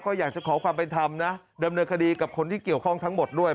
ก็อยากจะขอความเป็นธรรมนะดำเนินคดีกับคนที่เกี่ยวข้องทั้งหมดด้วย